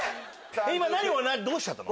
今何をどうしちゃったの？